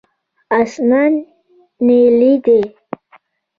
اسمان نیلي دی.